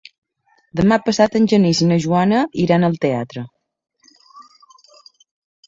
Demà passat en Genís i na Joana iran al teatre.